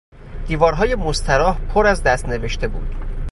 دیوارهای مستراح پراز دست نوشته بود.